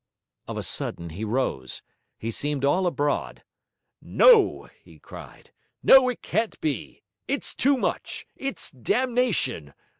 Of a sudden he rose; he seemed all abroad. 'No!' he cried. 'No! it can't be! It's too much; it's damnation.